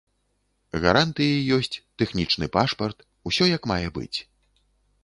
Гарантыі ёсць, тэхнічны пашпарт, усё як мае быць.